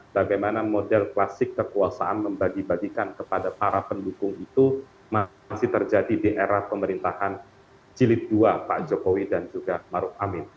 bagaimana model klasik kekuasaan membagi bagikan kepada para pendukung itu masih terjadi di era pemerintahan jilid dua pak jokowi dan juga maruf amin